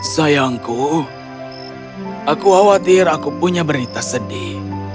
sayangku aku khawatir aku punya berita sedih